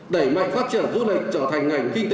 đẩy mạnh phát triển du lịch trở thành ngành kinh tế